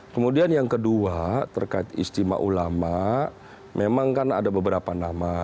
kemudian yang kedua terkait istimewa ulama memang kan ada beberapa nama